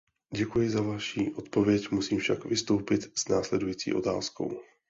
Děkuji za vaši odpověď, musím však vystoupit s následující otázkou.